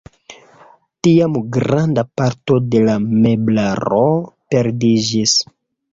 Tiam granda parto de la meblaro perdiĝis.